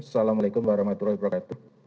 assalamu'alaikum warahmatullahi wabarakatuh